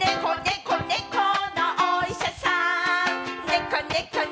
こねこのお医者さんねこねこね